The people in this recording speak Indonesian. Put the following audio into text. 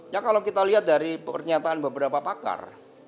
ya kalau kita lihat dari pernyataan beberapa pakar